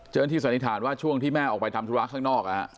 เจิญที่สันิทานว่าช่วงที่แม่ออกไปทำธุราคข้างนอก